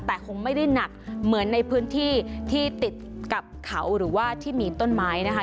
แต่คงไม่ได้หนักเหมือนในพื้นที่ที่ติดกับเขาหรือว่าที่มีต้นไม้นะคะ